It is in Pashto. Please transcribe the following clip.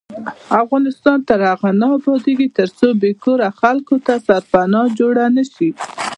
افغانستان تر هغو نه ابادیږي، ترڅو بې کوره خلکو ته سرپناه جوړه نشي.